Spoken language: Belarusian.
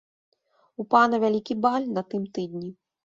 У пана вялікі баль на тым тыдні.